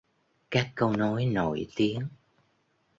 Các câu nói nổi tiếng